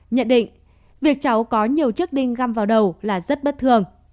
nhận định việc cháu có nhiều chiếc đinh găm vào đầu là rất bất thường